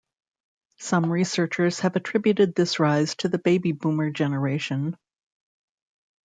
Some researchers have attributed this rise to the baby boomer generation.